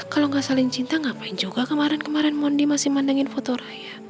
kalau gak saling cinta ngapain juga kemarin kemarin mondi masih mandangin foto raya